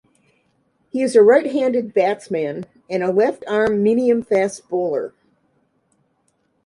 He is a right-handed batsman and a left-arm medium-fast bowler.